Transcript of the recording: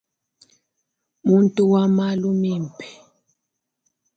Muntu wa malu mimpe.